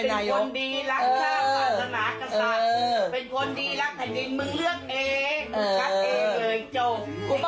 นี่หลังมึงก็ไม่ต้องให้กูขี่มันทรายตากแดดไปเลือกตั้งหรอก